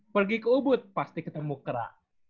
pergi ke ubud pasti ketemu kerak